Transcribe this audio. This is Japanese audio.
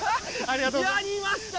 ありがとうございます